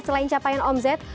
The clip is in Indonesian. selain capaian omzet